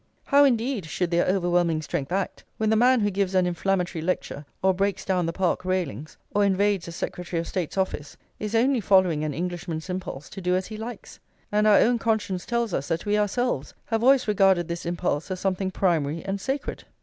How, indeed, should their overwhelming strength act, when the man who gives an inflammatory lecture, or breaks down the Park railings, or invades a Secretary of State's office, is only following an Englishman's impulse to do as he likes; and our own conscience tells us that we ourselves have always regarded this impulse as something primary and sacred?